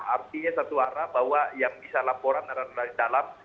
artinya satu arah bahwa yang bisa laporan adalah dari dalam